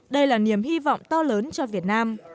đây là niềm hy vọng to lớn cho việt nam